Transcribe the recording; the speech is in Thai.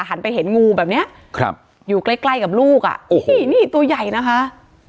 หันไปเห็นงูแบบเนี้ยครับอยู่ใกล้ใกล้กับลูกอ่ะโอ้โหนี่ตัวใหญ่นะคะ